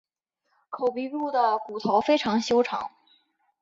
口鼻部的骨头非常修长。